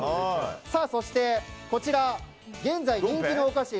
そして、こちら現在、人気のお菓子。